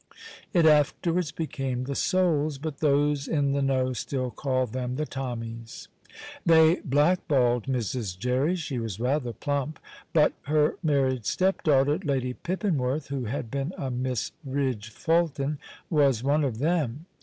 It afterwards became the Souls, but those in the know still call them the Tommies. They blackballed Mrs. Jerry (she was rather plump), but her married stepdaughter, Lady Pippinworth (who had been a Miss Ridge Fulton), was one of them.